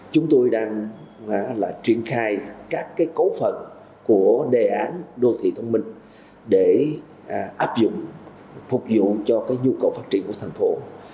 chúng tôi đang triển khai các cấu phần của đề án đô thị thông minh để áp dụng phục vụ cho nhu cầu phát triển của thành phố